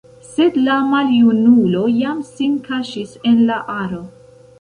Sed la maljunulo jam sin kaŝis en la aro.